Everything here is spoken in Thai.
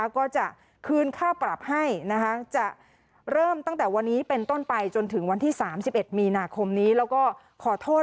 ก็จะคืนค่าปรับให้จะเริ่มตั้งแต่วันนี้เป็นต้นไปจนถึงวันที่๓๑มีนาคมนี้แล้วก็ขอโทษ